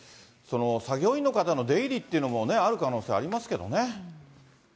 作業員の方の出入りっていうのもある可能性ありますけどね。